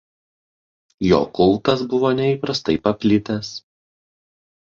Jo kultas buvo neįprastai paplitęs.